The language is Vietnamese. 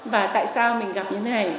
và tại sao mình gặp như thế này